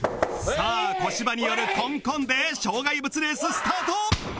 さあ小芝によるコンコンで障害物レーススタート！